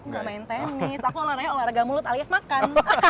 ga main tenis aku olahraga mulut alias makan